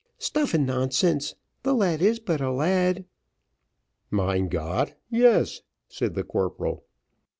Stuff and nonsense! the lad is but a lad." "Mein Gott! yes," said the corporal.